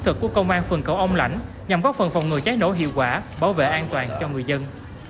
thực của công an phường cầu âm lãnh nhằm góp phần phòng ngừa cháy nổ hiệu quả bảo vệ an toàn cho người dân